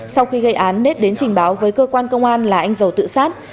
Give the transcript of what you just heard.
sau khi gây án nết đến trình báo với cơ quan công an là anh dầu tự sát